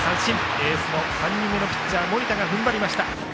エースの３人目のピッチャー盛田が踏ん張りました。